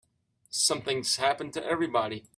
Something's happened to everybody.